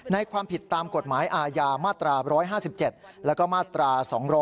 ความผิดตามกฎหมายอาญามาตรา๑๕๗แล้วก็มาตรา๒๗